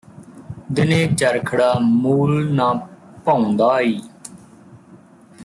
ਦਿਨੇ ਚਰਖੜਾ ਮੂਲ ਨਾ ਭਾਉਂਦਾ ਈ